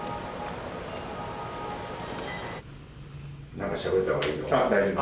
何かしゃべった方がいいの？